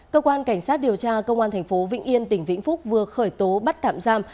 cơ quan cảnh sát điều tra công an thành phố vĩnh yên tỉnh vĩnh phúc vừa khởi tố bắt tạm giam